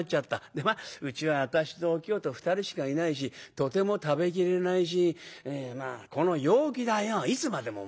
でまあうちは私とお清と２人しかいないしとても食べきれないしこの陽気だよいつまでももたないし。